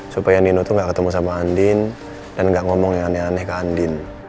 supaya nino tuh gak ketemu sama andin dan gak ngomong yang aneh aneh ke andin